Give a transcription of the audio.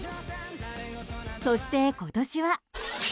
そして、今年は。